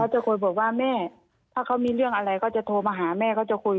จะบอกว่าถ้าเขามีเรื่องอะไรเขาจะโทรมาหาแม่